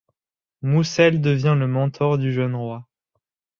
Moušeł devient le mentor du jeune roi.